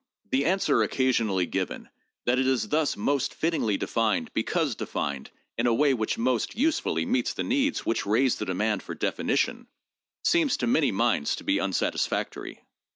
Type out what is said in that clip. The answer occasionally given that it is thus most fittingly defined because defined in a way which most usefully meets the needs which raise the demand for definition, seems to many minds to be unsatis factory.